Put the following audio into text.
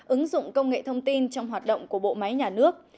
ứng dụng công nghệ thông tin trong hoạt động của bộ máy nhà nước